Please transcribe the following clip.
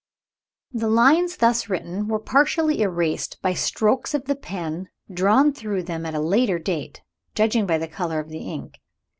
The lines thus written were partially erased by strokes of the pen drawn through them at a later date, judging by the color of the ink.